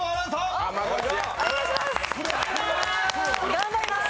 頑張ります！